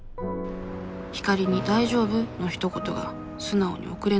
光莉に「大丈夫？」のひと言が素直に送れない問題。